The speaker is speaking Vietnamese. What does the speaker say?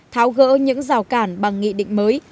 tháo gỡ những rào cản bằng nghị định mới